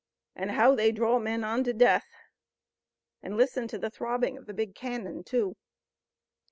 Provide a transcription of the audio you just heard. And how they draw men on to death! And listen to the throbbing of the big cannon, too!"